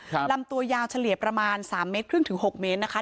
ลำตัวยาวเฉลี่ยประมาณสามเมตรครึ่งถึงหกเมตรนะคะ